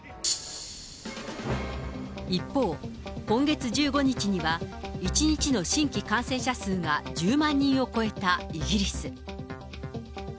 一方、今月１５日には、１日の新規感染者数が１０万人を超えたイギリス。